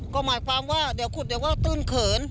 ก็หมายความว่าเดี๋ยวขุดเดี๋ยวก็ตื้นเขิน